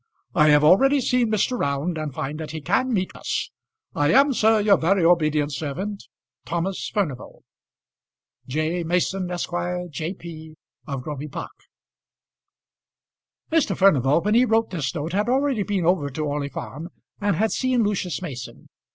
I have already seen Mr. Round, and find that he can meet us. I am, sir, Your very obedient servant, THOMAS FURNIVAL. J. Mason, Esq., J.P. (of Groby Park). Mr. Furnival when he wrote this note had already been over to Orley Farm, and had seen Lucius Mason.